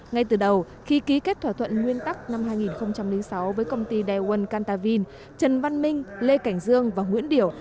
ngay từ đầu khi ký kết thỏa thuận nguyên tắc năm hai nghìn sáu với công ty daewon cantavin trần văn minh lê cảnh dương và nguyễn điểu